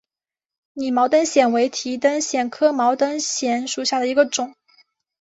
拟毛灯藓为提灯藓科毛灯藓属下的一个种。